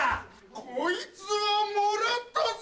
こいつはもらったぜ！